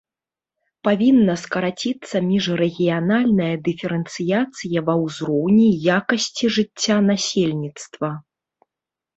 Павінна скараціцца міжрэгіянальная дыферэнцыяцыя ва ўзроўні і якасці жыцця насельніцтва.